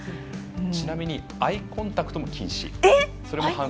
ちなみにアイコンタクトも禁止。